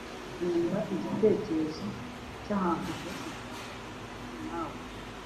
nkunda igitekerezo cyahantu henshi nshaka kujyana nawe,